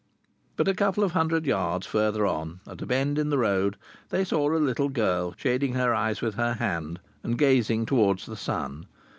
But a couple of hundred yards further on, at a bend of the road, they saw a little girl shading her eyes with her hand and gazing towards the sun.